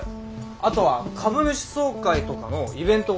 あとは株主総会とかのイベント事の仕切り。